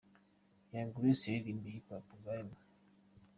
Young grace yaririmbye Hip Hop game.